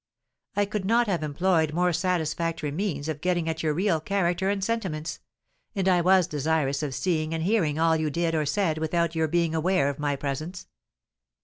"I could not have employed more satisfactory means of getting at your real character and sentiments; and I was desirous of seeing and hearing all you did or said without your being aware of my presence.